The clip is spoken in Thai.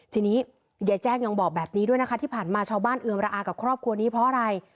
ทีนี้ยายแจ้งยังบอกแบบนี้ด้วยนะคะที่ผ่านมาชาวบ้านเอือมระอากับครอบครัวนี้เพราะอะไร